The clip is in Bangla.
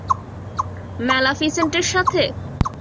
মেলাফিসেন্ট এর সাথে?